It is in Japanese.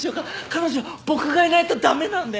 彼女僕がいないとだめなんで。